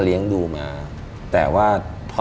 เรียงดูมา